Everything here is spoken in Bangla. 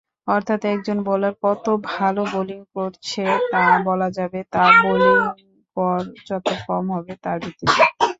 অর্থাৎ, একজন বোলার কত ভালো বোলিং করছে তা বলা যাবে তার বোলিং গড় যত কম হবে তার ভিত্তিতে।